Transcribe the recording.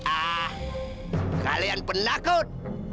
ah kalian penakut